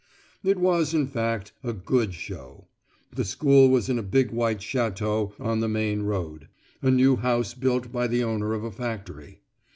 It was, in fact, a "good show." The School was in a big white château on the main road a new house built by the owner of a factory.